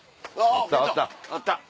あった。